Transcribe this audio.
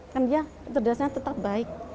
kan dia cerdasannya tetap baik